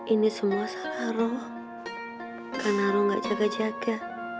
ini semua salah roh karena roh gak jaga jaga